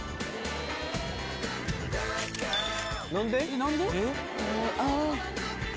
何で？